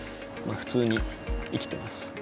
まあ普通に生きてます。